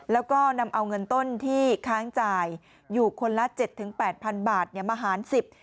แล้วก็นำเอาเงินต้นที่ค้างจ่ายอยู่คนละเจ็ดถึงแปดพันบาทเนี่ยมาหารสิบ